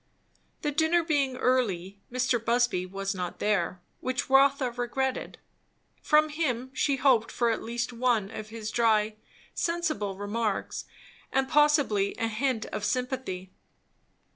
The dinner being early, Mr. Busby was not there; which Rotha regretted. From him she hoped for at least one of his dry, sensible remarks, and possibly a hint of sympathy.